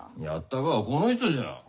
やったがはこの人じゃ。